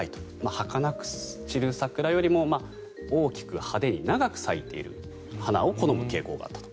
はかなく散る桜よりも大きく派手に長く咲いている花を好む傾向があったと。